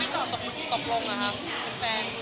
แฟนค่ะ